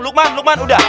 lukman lukman udah